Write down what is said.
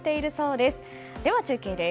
では、中継です。